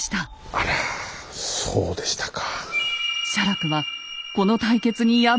あらそうでしたか。